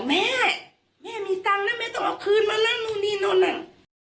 แม่แม่มีสัญละแม่ต้องเอาคืนมานั่งดูนี่นั่น